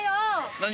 何？